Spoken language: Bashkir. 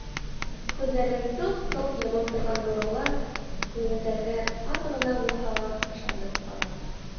Күҙҙәрен сылт-сылт йомоп торған Нурулла күңелдәргә аҙ ғына булһа ла ышаныс һала: